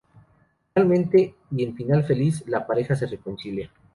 Finalmente y en final feliz, la pareja se reconcilia.